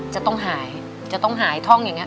จะต้องหายจะต้องหายท่องอย่างนี้